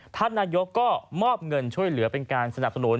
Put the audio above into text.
ท่านนายกก็มอบเงินช่วยเหลือเป็นการสนับสนุน